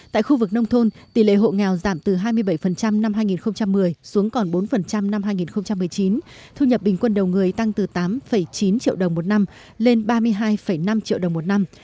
tại khu vực nông thôn tỷ lệ hộ nghèo giảm từ hai mươi bảy năm hai nghìn một mươi xuống còn bốn năm hai nghìn một mươi chín thu nhập bình quân đầu người tăng từ tám chín triệu đồng một năm lên ba mươi hai năm triệu đồng một năm